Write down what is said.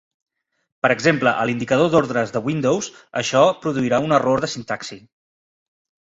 Per exemple, a l'indicador d'ordres de Windows, això produirà un error de sintaxi.